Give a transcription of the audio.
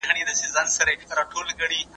آیا څېړونکی باید د خپلې ډلې د خلکو وکالت وکړي؟